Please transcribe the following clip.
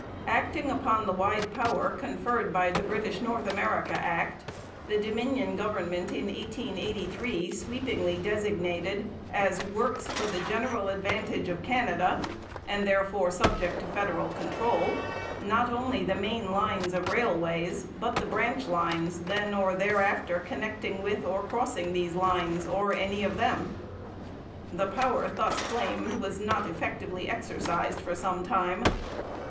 Acting upon the wide power conferred by the British North America Act, the Dominion government in 1883 sweepingly designated as 'works for the general advantage of Canada,' and therefore subject to federal control, not only the main lines of railways, but the branch lines then or thereafter connecting with or crossing these lines or any of them. The power thus claimed was not effectively exercised for some time.